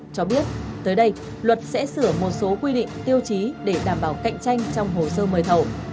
cho biết tới đây luật sẽ sửa một số quy định tiêu chí để đảm bảo cạnh tranh trong hồ sơ mời thầu